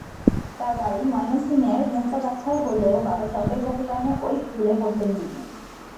তার বাড়ি ময়মনসিংহের মুক্তাগাছায় হলেও বাবার সরকারি চাকরির কারণে ওই স্কুলে পড়তেন তিনি।